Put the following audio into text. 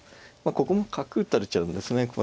ここに角打たれちゃうんですね